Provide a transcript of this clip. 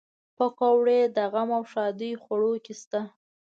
پکورې د غم او ښادۍ خوړو کې شته